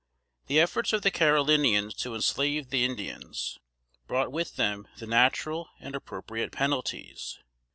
The efforts of the Carolinians to enslave the Indians, brought with them the natural and appropriate penalties.